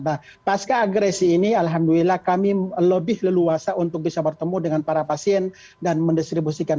nah pas ke agresi ini alhamdulillah kami lebih leluasa untuk bisa bertemu dengan para pasien dan mendistribusikan